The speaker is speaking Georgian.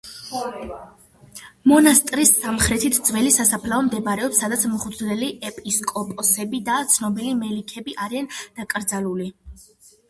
მონასტრის სამხრეთით ძველი სასაფლაო მდებარეობს, სადაც მღვდლები, ეპისკოპოსები და ცნობილი მელიქები არიან დაკრძალული.